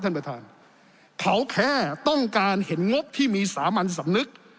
ท่านประธานเขาแค่ต้องการเห็นงบที่มีสามัญสำนึก